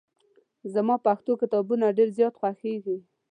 زما پښتو کتابونه ډېر زیات خوښېږي.